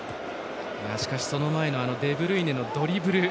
その前のデブルイネのドリブル。